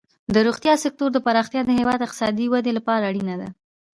د روغتیا سکتور پراختیا د هیواد د اقتصادي ودې لپاره اړینه ده.